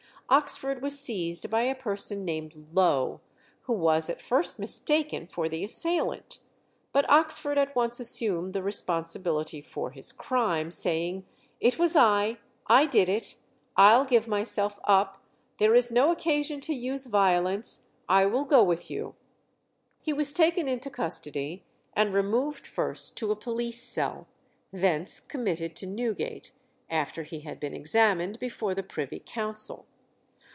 Oxford was seized by a person named Lowe, who was at first mistaken for the assailant. But Oxford at once assumed the responsibility for his crime, saying, "It was I. I did it. I'll give myself up. There is no occasion to use violence. I will go with you." He was taken into custody, and removed first to a police cell, thence committed to Newgate, after he had been examined before the Privy Council.